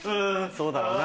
そうだろうな。